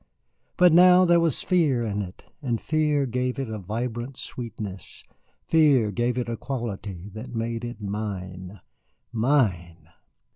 But now there was fear in it, and fear gave it a vibrant sweetness, fear gave it a quality that made it mine mine.